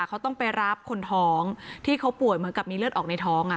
เขาต้องไปรับคนท้องที่เขาป่วยเหมือนกับมีเลือดออกในท้อง